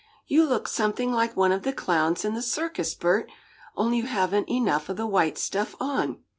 "You look something like one of the clowns in the circus, Bert, only you haven't enough of the white stuff on."